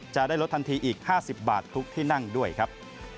จะได้ลดทันทีอีก๕๐บาททุกที่นั่งด้วยครับ